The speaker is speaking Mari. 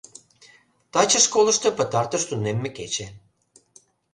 Таче школышто пытартыш тунемме кече.